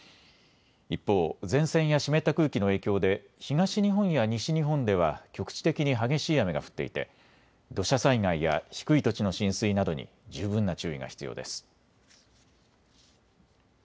一方、前線や湿った空気の影響で東日本や西日本では局地的に激しい雨が降っていて土砂災害や低い土地の浸水などに十分な注意が必要です。